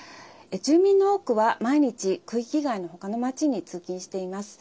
住民の多くは、毎日、区域外のほかの街に通勤しています。